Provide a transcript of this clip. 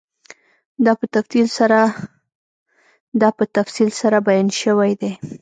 دا په تفصیل سره بیان شوی دی